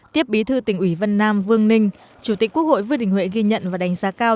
tiếp bí thư tỉnh ủy vân nam vương ninh chủ tịch quốc hội vương đình huệ ghi nhận và đánh giá cao